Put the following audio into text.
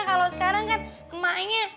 kalau sekarang kan emaknya